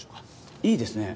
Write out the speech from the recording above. いいですね。